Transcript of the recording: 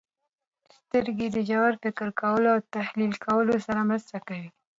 • سترګې د ژور فکر کولو او تحلیل کولو سره مرسته کوي.